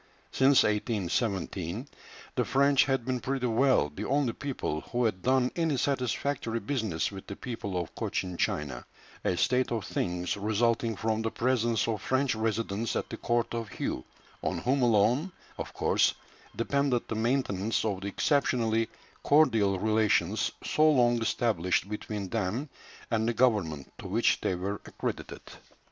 Since 1817 the French had been pretty well the only people who had done any satisfactory business with the people of Cochin China, a state of things resulting from the presence of French residents at the court of Hué, on whom alone of course depended the maintenance of the exceptionally cordial relations so long established between them and the government to which they were accredited.